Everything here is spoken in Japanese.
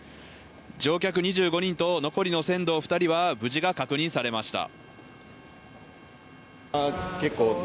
乗客２５人と残りの船頭２人は、無事が確認されました。